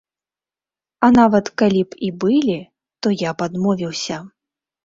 А нават калі б і былі, то я б адмовіўся.